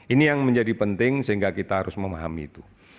ini yang menjadi penting sehingga kita harus memahami itu